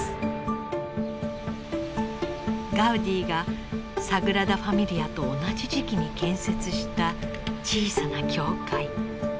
ガウディがサグラダ・ファミリアと同じ時期に建設した小さな教会。